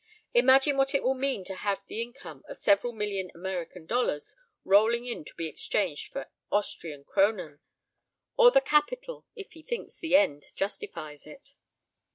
Imagine what it will mean to have the income of several million American dollars rolling in to be exchanged for Austrian kronen! Or the capital, if he thinks the end justifies it.